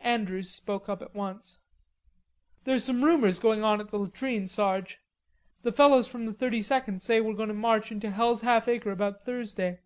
Andrews spoke up at once. "There's some rumors going on at the latrine, Sarge. The fellows from the Thirty second say we're going to march into hell's halfacre about Thursday."